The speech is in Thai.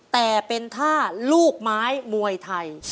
แต่เป็นท่าลูกไม้มวยไทย